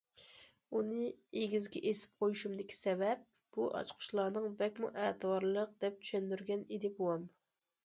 ئۇنى ئېگىزگە ئېسىپ قويۇشۇمدىكى سەۋەب بۇ ئاچقۇچلارنىڭ بەكمۇ ئەتىۋارلىق دەپ چۈشەندۈرگەن ئىدى بوۋام.